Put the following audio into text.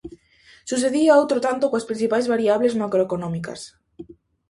Sucedía outro tanto coas principais variables macroeconómicas.